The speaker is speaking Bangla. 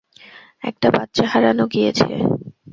একটা বাচ্চা হারানো গিয়েছে।